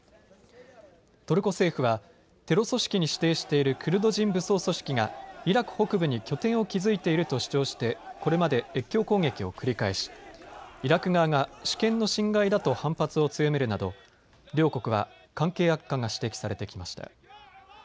トルコ政府はテロ組織に指定しているクルド人武装組織がイラク北部に拠点を築いていると主張してこれまで越境攻撃を繰り返しイラク側が主権の侵害だと反発を強めるなど両国は関係悪化が指摘されてきました。